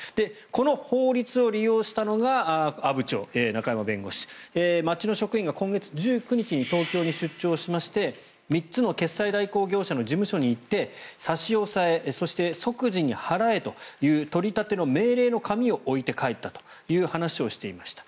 この法律を利用したのが阿武町、中山弁護士町の職員が今月１９日に東京に出張しまして３つの決済代行業者の事務所に行って差し押さえそして、即時に払えという取り立ての命令の紙を置いて帰ったという話をしていました。